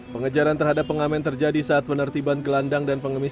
pengejaran terhadap pengamen terjadi saat penertiban gelandang dan pengemis